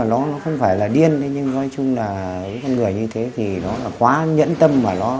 nó không phải là điên nhưng với con người như thế thì nó quá nhẫn tâm